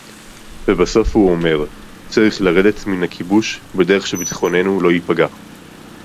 ובסוף הוא אומר: צריך לרדת מן הכיבוש בדרך שביטחוננו לא ייפגע